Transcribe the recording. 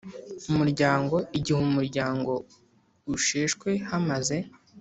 Umuryango Igihe Umuryango Usheshwe Hamaze